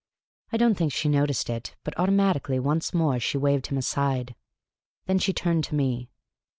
I don't think she noticed it, but automatically once more .she waved him aside. Then she turned to me.